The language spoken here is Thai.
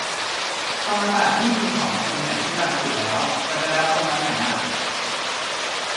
ธรรมศาสตร์นี่มีหอประชุมใหญ่ที่รังสิตแล้ว จะไปรับตรงนั้นไหมอะ